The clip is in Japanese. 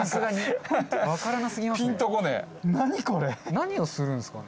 何をするんですかね？